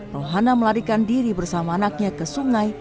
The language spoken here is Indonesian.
rohana melarikan diri bersama anaknya ke sungai